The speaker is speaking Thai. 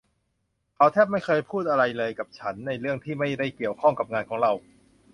เขาแทบไม่เคยพูดอะไรกับฉันเลยในเรื่องที่ไม่ได้เกี่ยวข้องกับงานของเรา